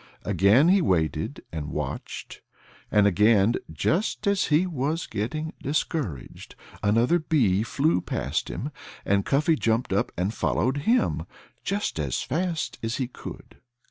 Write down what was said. Again he waited and watched. And again, just as he was getting discouraged, another bee flew past him and Cuffy jumped up and followed him just as fast as he could.